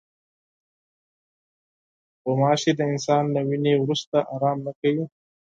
غوماشې د انسان له وینې وروسته آرام نه کوي.